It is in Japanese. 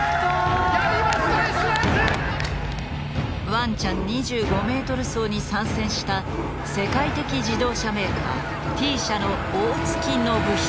「ワンちゃん２５Ｍ走」に参戦した世界的自動車メーカーＴ社の大槻将久。